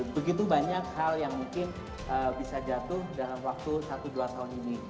begitu banyak hal yang mungkin bisa jatuh dalam waktu satu dua tahun ini